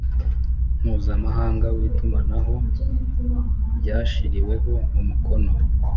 Mpuzamahanga w Itumanaho byashyiriweho umukono